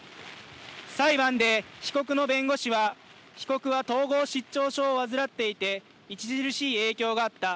裁判で被告の弁護士は被告は統合失調症を患っていて著しい影響があった。